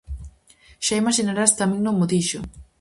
Xa imaxinarás que a min non mo dixo!